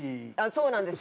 そうなんですよ。